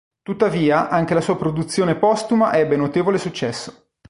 Tuttavia anche la sua produzione postuma ebbe notevole successo.